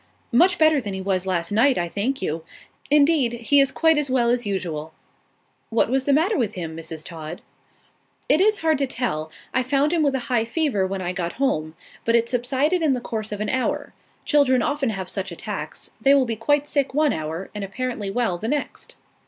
"Much better than he was last night, I thank you. Indeed, he is quite as well as usual." "What was the matter with him, Mrs. Todd?" "It is hard to tell. I found him with a high fever, when I got home. But it subsided in the course of an hour. Children often have such attacks. They will be quite sick one hour, and apparently well the next."